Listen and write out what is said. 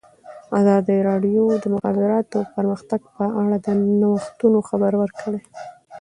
ازادي راډیو د د مخابراتو پرمختګ په اړه د نوښتونو خبر ورکړی.